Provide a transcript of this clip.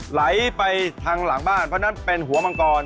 ไหลไปทางหลังบ้านเพราะฉะนั้นเป็นหัวมังกร